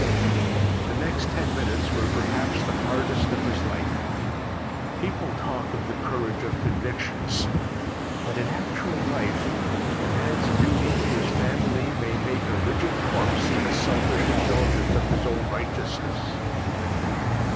The next ten minutes were perhaps the hardest of his life. People talk of the courage of convictions, but in actual life a man's duty to his family may make a rigid corpse seem a selfish indulgence of his own righteousness.